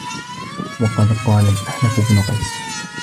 وَقَدْ قَالَ الْأَحْنَفُ بْنُ قَيْسٍ